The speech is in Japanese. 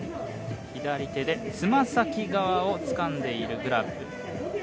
左手で爪先側をつかんでいるグラブ。